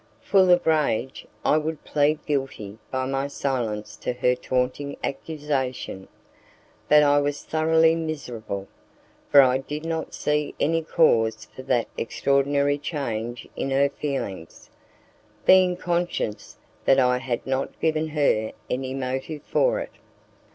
Full of rage, I would plead guilty by my silence to her taunting accusation, but I was thoroughly miserable, for I did not see any cause for that extraordinary change in her feelings, being conscious that I had not given her any motive for it.